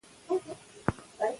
که ستونزه لرې ډاکټر ته ولاړ شه.